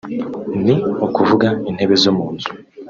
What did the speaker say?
ni ukuvuga intebe zo mu nzu